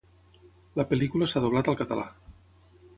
La pel·lícula s'ha doblat al català.